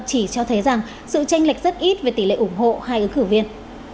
chỉ cho thấy rằng sự tranh lệch rất ít về tỷ lệ ủng hộ hai ứng cử viên